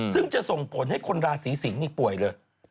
ซึ่งจะส่งผลให้คนราศีสิงศ์นี่ป่วยเลย